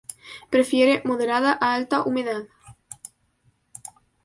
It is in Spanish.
Prefiere moderada a alta humedad.